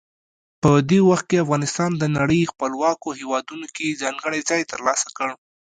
په دې وخت کې افغانستان د نړۍ خپلواکو هیوادونو کې ځانګړی ځای ترلاسه کړ.